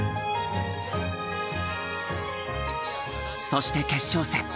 そして決勝戦。